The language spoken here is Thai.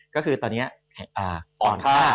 ก็คือตอนนี้อ่อนค่า